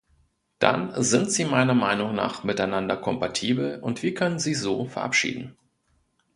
Dann sind sie meiner Meinung nach miteinander kompatibel, und wir können sie so verabschieden.